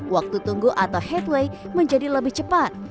waktu tunggu atau headway menjadi lebih cepat